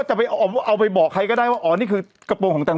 จะเอาเอาไปบอกใครก็ได้ว่าอ๋อนี่คือกระโปรงของแตง